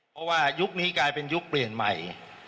เพราะว่ายุคนี้กลายเป็นยุคเปลี่ยนใหม่